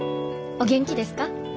お元気ですか？